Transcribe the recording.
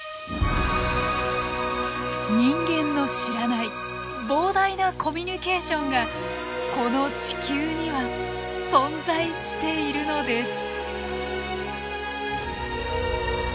人間の知らない膨大なコミュニケーションがこの地球には存在しているのです。